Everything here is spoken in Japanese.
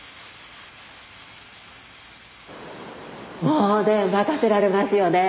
もうね任せられますよね。